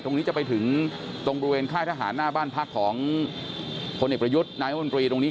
ตรงนี้จะไปถึงตรงบริเวณค่ายทหารหน้าบ้านพักของพลเอกประยุทธ์นายมนตรีตรงนี้